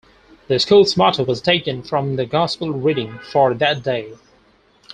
The school's motto was taken from the gospel reading for that day.